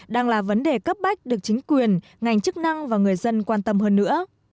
đang là vấn đề cấp bách được chính quyền ngành chức năng và người dân quan tâm hơn nữa